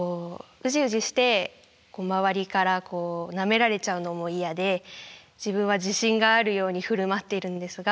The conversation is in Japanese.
ウジウジして周りからこうなめられちゃうのも嫌で自分は自信があるように振る舞っているんですが。